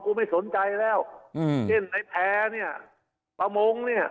กูไม่สนใจแล้วเช่นไอ้แผนี่ประมงนี่